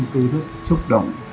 tôi rất xúc động